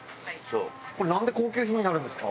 これなんで高級品になるんですか？